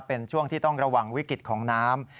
เป็นช่วงที่ต้องระวังวิกฤตของน้ำ